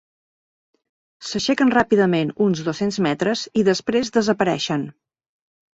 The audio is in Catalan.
S'aixequen ràpidament uns dos-cents metres i després desapareixen.